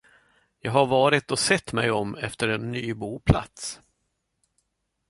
Jag har varit och sett mig om efter en ny boplats.